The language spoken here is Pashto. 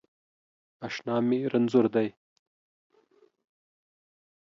اشنا می رنځور دی